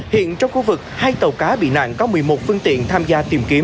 hiện trong khu vực hai tàu cá bị nạn có một mươi một phương tiện tham gia tìm kiếm